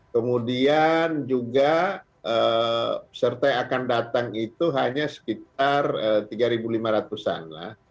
kemudian juga peserta yang akan datang itu hanya sekitar tiga lima ratus an lah